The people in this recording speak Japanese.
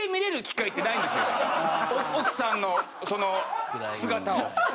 奥さんのその姿を。